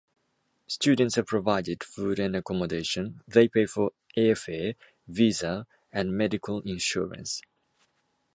Students are provided food and accommodation; they pay for airfare, visa and medical insurance.